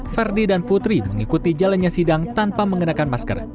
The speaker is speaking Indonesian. verdi dan putri mengikuti jalannya sidang tanpa menggunakan masker